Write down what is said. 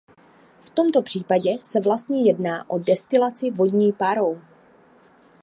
V tomto případě se vlastně jedná o destilaci vodní parou.